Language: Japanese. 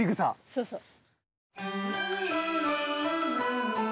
そうそう。